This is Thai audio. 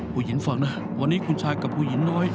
ผู้หญิงฟังนะวันนี้คุณชายกับผู้หญิงน้อย